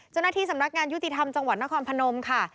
เจ้าหน้าที่สำนักงานยุติธรรมจังหวัดนครพนมค่ะ